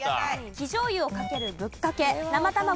生醤油をかけるぶっかけ生卵を混ぜる